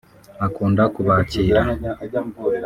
akunda kubakira